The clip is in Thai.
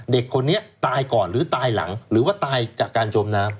เด็กคนนี้ตายก่อนหรือตายหลังหรือว่าตายจากการจมน้ำ